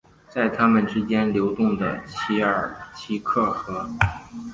在他们之间流动的奇尔奇克河。